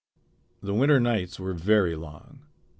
The winter nights were very long.